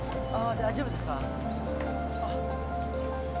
大丈夫です